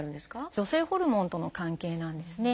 女性ホルモンとの関係なんですね。